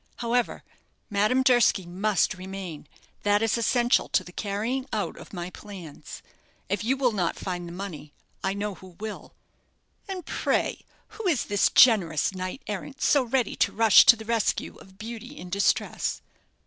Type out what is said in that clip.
However, Madame Durski must remain; that is essential to the carrying out of my plans. If you will not find the money, I know who will." "And pray who is this generous knight errant so ready to rush to the rescue of beauty in distress?"